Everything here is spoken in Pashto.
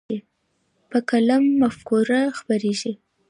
په قلم مفکوره خپرېږي.